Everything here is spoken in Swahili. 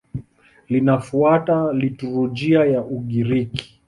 Linafuata liturujia ya Ugiriki.